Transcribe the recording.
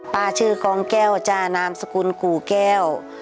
ชื่อกองแก้วจ้านามสกุลกู่แก้ว